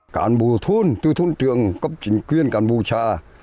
cảm bố thôn tôi thôn trưởng cấp chính quyền cảm bố trả